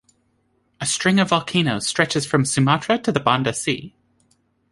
A string of volcanoes stretches from Sumatra to the Banda Sea.